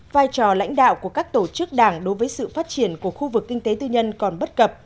vai trò lãnh đạo của các tổ chức đảng đối với sự phát triển của khu vực kinh tế tư nhân còn bất cập